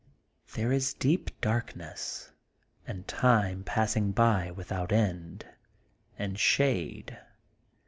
There is deep darkness^ and time passing by without end, and shade.